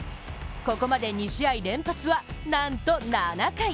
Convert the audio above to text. ここまで２試合連発は、なんと７回。